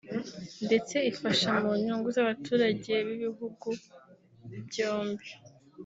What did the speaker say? ndetse ifasha mu nyungu z’abaturage b’ibihugu byombi